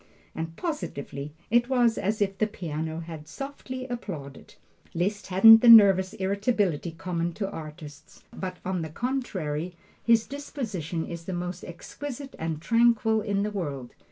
and positively, it was as if the piano had softly applauded. Liszt hasn't the nervous irritability common to artists, but on the contrary his disposition is the most exquisite and tranquil in the world.